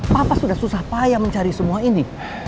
papa sudah susah payah mencari semua ini